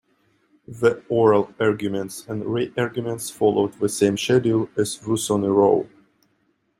The oral arguments and re-arguments followed the same schedule as those in "Roe".